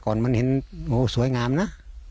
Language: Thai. ตอนมันเห็นโหวสวยงามน่ะ